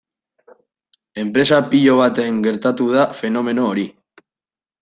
Enpresa pilo batean gertatu da fenomeno hori.